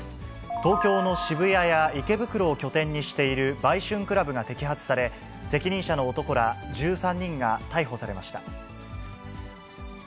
東京の渋谷や池袋を拠点にしている売春クラブが摘発され、責任者の男ら１３人が逮捕されました。